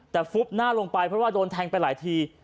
แต่ฟุบหน้าลงไปเพราะว่าโดนแทงไปหลายที